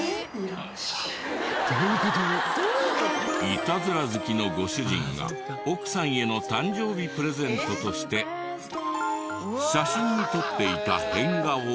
イタズラ好きのご主人が奥さんへの誕生日プレゼントとして写真に撮っていた変顔を。